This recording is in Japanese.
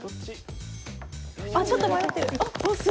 ちょっと迷ってる。